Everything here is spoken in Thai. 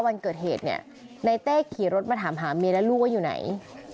วันเกิดเหตุเนี่ยในเต้ขี่รถมาถามหาเมียและลูกว่าอยู่ไหน